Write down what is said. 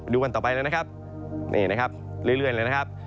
กันต่อไปเลยนะครับนี่นะครับเรื่อยเลยนะครับ